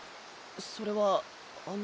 それはあの。